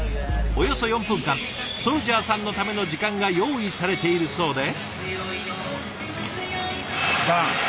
およそ４分間ＳＯＵＬＪＡＨさんのための時間が用意されているそうで。